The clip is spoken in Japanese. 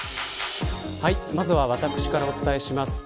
まずは私からお伝えします。